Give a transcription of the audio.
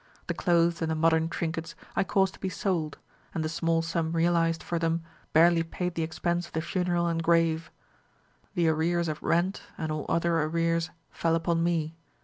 The clothes and the modern trinkets I caused to be sold, and the small sum realised for them barely paid the expense of the funeral and grave. The arrears of rent and all other arrears fell upon me.